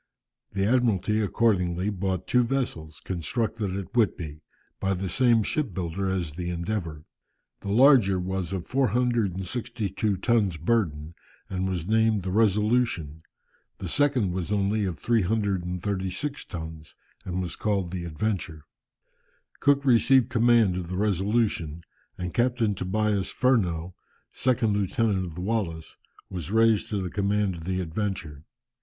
The Admiralty accordingly bought two vessels, constructed at Whitby, by the same ship builder as the Endeavour. The larger was of 462 tons burden, and was named the Resolution, the second was only of 336 tons, and was called the Adventure. Cook received command of the Resolution, and Captain Tobias Furneaux, second lieutenant of the Wallis, was raised to the command of the Adventure.